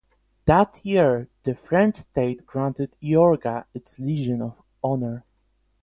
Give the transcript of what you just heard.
That year, the French state granted Iorga its Legion of Honor.